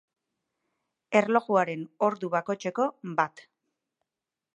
Erlojuaren ordu bakotxeko bat.